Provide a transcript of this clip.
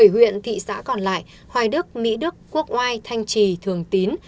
bảy huyện thị xã còn lại hoài đức mỹ đức quốc oai thanh trì thường tín